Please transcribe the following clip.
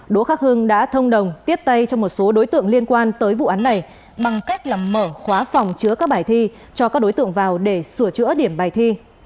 đỗ khắc hưng đã thông đồng tiếp tay cho một số đối tượng liên quan tới vụ án này bằng cách mở khóa phòng chứa các bài thi cho các đối tượng vào để sửa chữa điểm bài thi